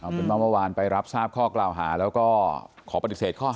เป็นว่าเมื่อวานไปรับทราบข้อกล่าวหาแล้วก็ขอปฏิเสธข้อหา